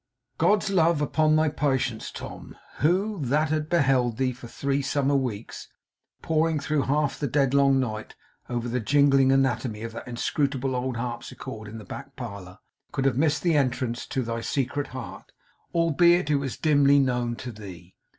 God's love upon thy patience, Tom! Who, that had beheld thee, for three summer weeks, poring through half the deadlong night over the jingling anatomy of that inscrutable old harpsichord in the back parlour, could have missed the entrance to thy secret heart: albeit it was dimly known to thee?